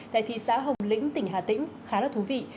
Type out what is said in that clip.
tại thị xã hồng lĩnh tỉnh hà tĩnh khá là thú vị